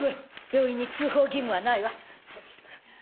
病院に通報義務はないわ。